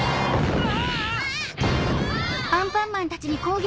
うわ！